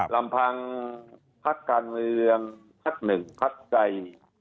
ลำพังพักการเมืองพักหนึ่งพักใจ